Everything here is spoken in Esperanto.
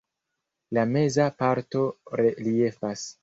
La meza parto reliefas.